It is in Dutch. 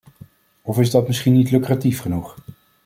Of is dat misschien niet lucratief genoeg?